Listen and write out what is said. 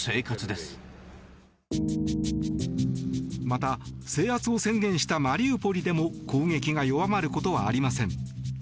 また、制圧を宣言したマリウポリでも攻撃が弱まることはありません。